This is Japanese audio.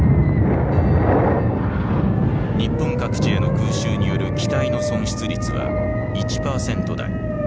日本各地への空襲による機体の損失率は１％台。